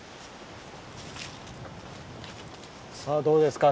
さあどうですか？